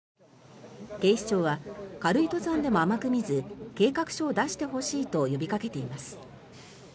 警視庁は、軽い登山でも甘く見ず計画書を出してほしいと呼びかけています。